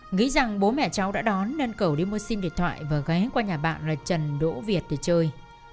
nghĩ rằng bố mẹ cháu đã đón nên cầu đi mua sim điện thoại và ghé qua nhà bạn là trần đỗ việt để chơi